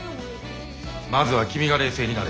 まずは君が冷静になれ！